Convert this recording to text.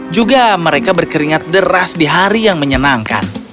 juga mereka berkeringat deras di hari yang menyenangkan